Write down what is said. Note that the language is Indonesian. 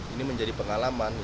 ini menjadi pengalaman